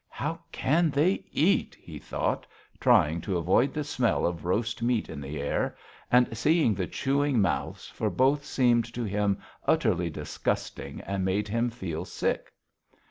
"How can they eat?" he thought, trying to avoid the smell of roast meat in the air and seeing the chewing mouths, for both seemed to him utterly disgusting and made him feel sick.